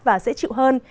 và dễ chịu hơn